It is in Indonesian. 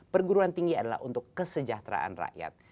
perguruan tinggi adalah untuk kesejahteraan rakyat